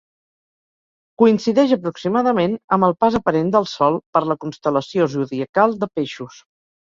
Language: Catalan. Coincideix aproximadament amb el pas aparent del Sol per la constel·lació zodiacal de Peixos.